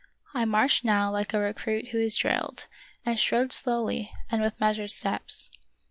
I marched now like a recruit who is drilled, and strode slowly, and with measured steps.